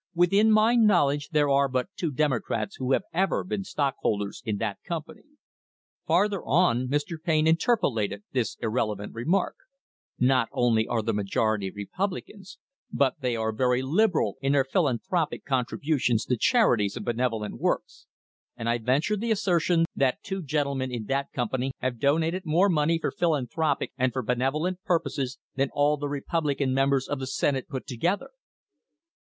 Within my knowledge there are but two Demo crats who have ever been stockholders in that company." Farther on Mr. Payne interpolated this irrelevant remark: "Not only are the majority Republicans, but they are very liberal in their philanthropic contributions to charities and benevolent works, and I venture the assertion that two gen tlemen in that company have donated more money for philan thropic and for benevolent purposes than all the Republican members of the Senate put together."